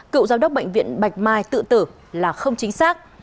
cựu giám đốc bệnh viện bạch mai tự tử là không chính xác